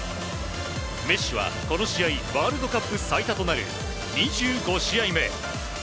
メッシはこの試合ワールドカップ最多となる２５試合目。